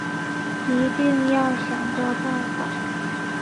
一定要想个办法